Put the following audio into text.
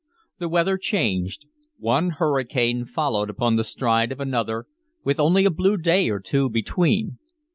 The weather changed. One hurricane followed upon the stride of another, with only a blue day or two between.